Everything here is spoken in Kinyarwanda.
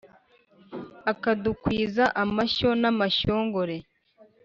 akadukwiza amashyo na mashyongore